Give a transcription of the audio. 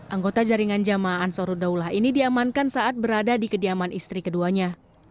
anggota jaringan jamaah ansaruddaullah ini diamankan saat berada di kediaman istri keduanya